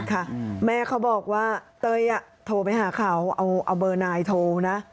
ค่ะแม่เขาบอกว่าเต้ยโทรไปหาเขาเอาเบอร์นายโทรนะ